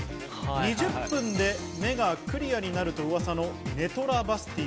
２０分で目がクリアになるとうわさのネトラバスティ。